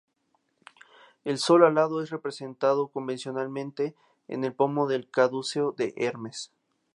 El sol alado es representado convencionalmente en el pomo del caduceo de Hermes.